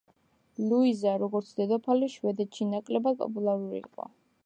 ლუიზა, როგორც დედოფალი, შვედეთში ნაკლებად პოპულარული იყო.